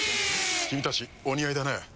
君たちお似合いだね。